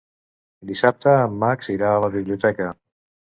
Dissabte en Max irà a la biblioteca.